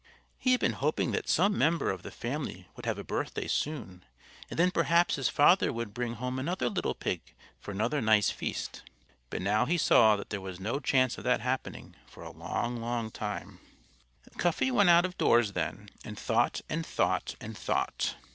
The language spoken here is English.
He had been hoping that some member of the family would have a birthday soon, and then perhaps his father would bring home another little pig for another nice feast. But now he saw that there was no chance of that happening for a long, long time. [Illustration: Mrs. Eagle Rose Higher and Higher] Cuffy went out of doors then and thought and thought and thought.